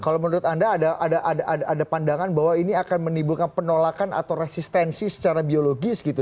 kalau menurut anda ada pandangan bahwa ini akan menimbulkan penolakan atau resistensi secara biologis gitu